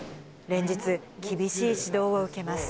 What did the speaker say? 連日、厳しい指導を受けます。